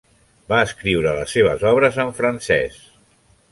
Va escriure les seves obres en francès.